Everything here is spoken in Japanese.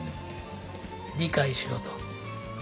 理解しろと。